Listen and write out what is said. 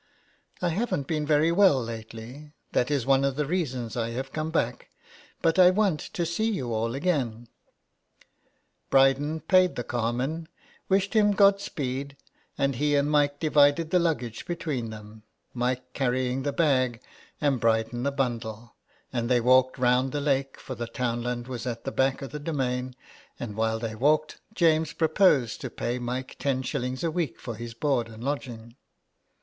" I haven't been very well lately — that is one of the reasons I have come back ; but I want to see you all again," Bryden paid the carman, wished him '' God speed," and he and Mike divided the luggage between them, 157 HOME SICKNESS. Mike carrying the bag and Bryden the bundle, and they walked round the lake, for the townland was at the back of the demesne ; and while they walked, James proposed to pay Mike ten shillings a week for his board and lodging.